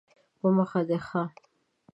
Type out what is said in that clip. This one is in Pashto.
په مخه دې ښه